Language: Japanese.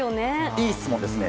いい質問ですね。